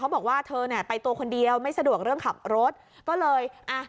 บอกว่าเธอเนี่ยไปตัวคนเดียวไม่สะดวกเรื่องขับรถก็เลยอ่ะ